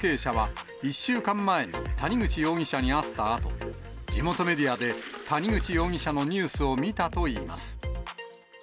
養殖場の関係者は、１週間前に谷口容疑者に会ったあと、地元メディアで、谷口容疑者のニュースを見たといいます。